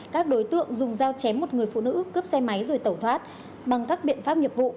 các đối tượng dùng dao chém một người phụ nữ cướp xe máy rồi tẩu thoát bằng các biện pháp nghiệp vụ